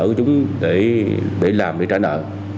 cơ sở chúng để làm để trả nợ